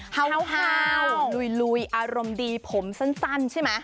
ห้าวลุยอารมณ์ดีผมสั้นใช่ไหม